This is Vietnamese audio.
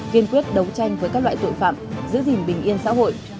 kiên quyết đấu tranh với các loại tội phạm giữ gìn bình yên xã hội